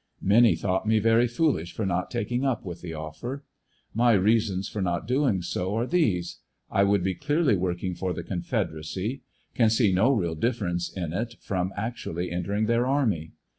Many thought me very foolish for not taking up with the offer. My reasons for not doing so are these: I would be clearly working for the Confederacy; can sjee no real difference m it from actually entering their army.